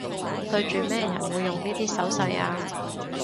對住咩人會用呢啲手勢吖